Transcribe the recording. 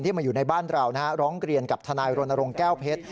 มาอยู่ในบ้านเราร้องเรียนกับทนายรณรงค์แก้วเพชร